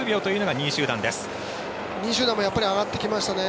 ２位集団も上げてきましたね。